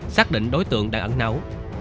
xác định đối tượng đang ẩn nấu